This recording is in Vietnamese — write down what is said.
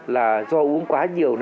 là do uống quá nhiều